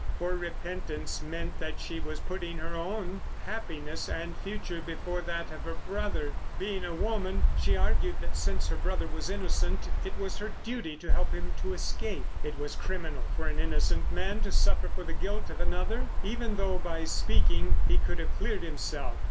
For repentance meant that she was putting her own happiness and future before that of her brother. Being a woman, she argued that since her brother was innocent it was her duty to help him to escape. It was criminal for an innocent man to suffer for the guilt of another, even though, by speaking, he could have cleared himself.